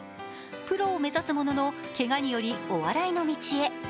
プロを目指すものの、けがによりお笑いの道へ。